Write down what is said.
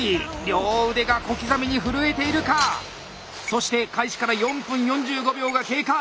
両腕が小刻みに震えているか⁉そして開始から４分４５秒が経過。